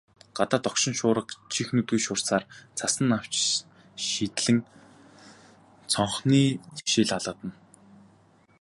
Гадаа догшин шуурга чих нүдгүй шуурсаар, цасан навчис шидлэн цонхны шил алгадна.